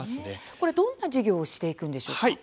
これはどんな事業をしていくんですか。